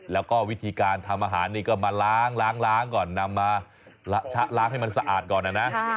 แล้วก็วิธีการทำอาหารนี่ก็มาล้างก่อนนำมาชะล้างให้มันสะอาดก่อนนะ